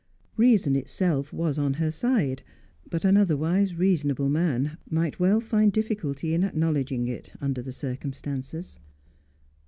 Reason itself was on her side; but an otherwise reasonable man might well find difficulty in acknowledging it, under the circumstances.